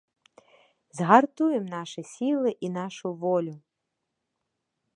Загартуем нашы сілы і нашу волю!